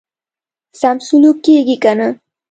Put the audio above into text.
سم سلوک کیږي کنه.